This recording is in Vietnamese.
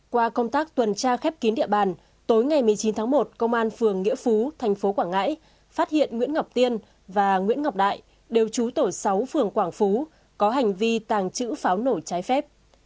qua công tác tuần tra khép kín địa bàn tối ngày một mươi chín tháng một công an phường nghĩa phú thành phố quảng ngãi phát hiện nguyễn ngọc tiên và nguyễn ngọc đại đều trú tổ sáu phường quảng phú có hành vi tàng trữ pháo nổ trái phép